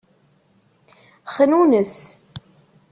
Xnunes.